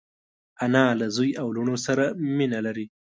انا له زوی او لوڼو سره مینه لري